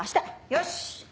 よし！